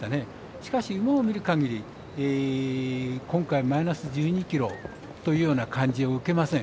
しかし、馬を見るかぎり今回、マイナス１２ｋｇというような感じを受けません。